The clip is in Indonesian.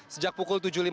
sejak pukul sepuluh